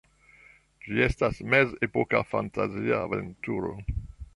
Ĝi estas mezepoka fantazia aventuro.